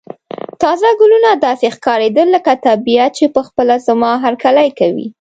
تازه ګلونه داسې ښکاریدل لکه طبیعت چې په خپله زما هرکلی کوي.